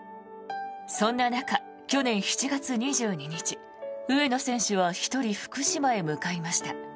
そんな中、去年７月２２日上野選手は１人福島へ向かいました。